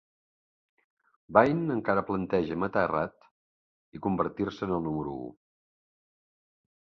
Bain encara planeja matar Rath i convertir-se en el número u.